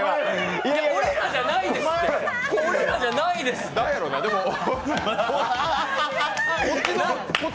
俺らじゃないですって。